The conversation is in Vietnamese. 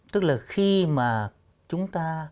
tức là khi mà chúng ta